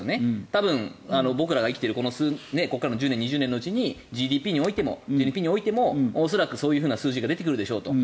多分、僕らが生きてるここからの２０年のうちにＧＤＰにおいてもＧＮＰにおいても恐らくそういう数字が出てくるでしょうと。